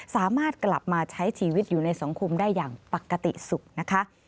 สามารถกลับมาใช้ชีวิตอยู่ในสังคมได้อย่างปกติสุขนะคะ